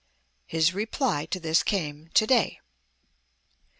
His reply to this came to day.